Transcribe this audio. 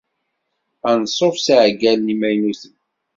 Anṣuf s yiɛeggalen imaynuten.